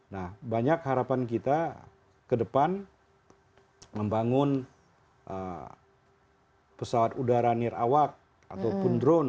nah banyak harapan kita ke depan membangun pesawat udara nirawak ataupun drone